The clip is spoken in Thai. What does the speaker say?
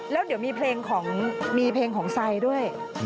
แล้วเดี๋ยวมีเพลงของไซด์ด้วย